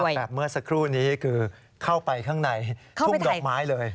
แบบเมื่อสักครู่นี้คือเข้าไปข้างในทุ่งดอกไม้เลย